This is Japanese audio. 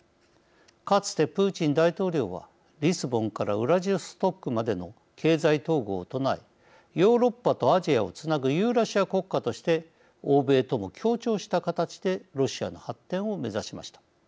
かつてプーチン大統領はリスボンからウラジオストクまでの経済統合を唱えヨーロッパとアジアをつなぐユーラシア国家として欧米とも協調した形でロシアの発展を目指しました。